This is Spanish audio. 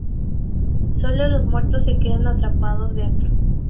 Solo los muertos se quedan atrapados dentro.